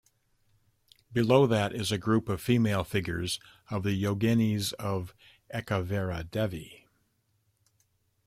Below that is a group of female figures of the Yoginis of Ekaveera Devi.